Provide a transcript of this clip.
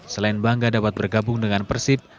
selain bangga dapat bergabung dengan persib